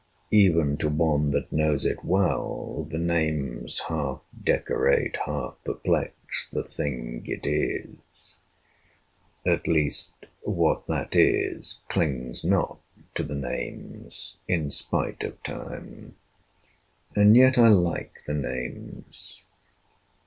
Even to one that knows it well, the names Half decorate, half perplex, the thing it is: At least, what that is clings not to the names In spite of time. And yet I like the names.